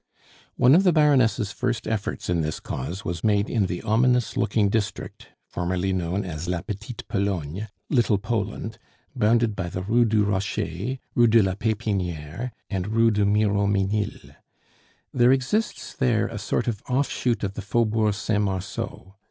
One of the Baroness' first efforts in this cause was made in the ominous looking district, formerly known as la Petite Pologne Little Poland bounded by the Rue du Rocher, Rue de la Pepiniere, and Rue de Miromenil. There exists there a sort of offshoot of the Faubourg Saint Marceau.